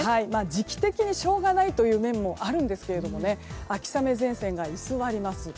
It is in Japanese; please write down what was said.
時期的にしょうがないという面もあるんですが秋雨前線が居座ります。